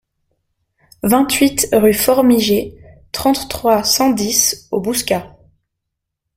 vingt-huit rue Formigé, trente-trois, cent dix au Bouscat